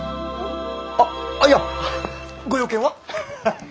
あっいやご用件は？